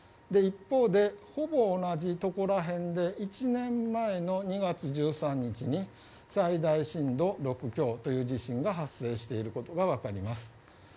一方でほぼ同じところらへんで１年前の２月１３日に最大震度６強という地震が発生していることが分かります。